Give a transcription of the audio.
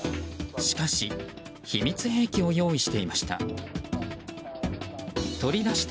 しかし秘密兵器を用意していました。